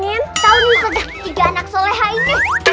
tau nih sedang tiga anak solehainya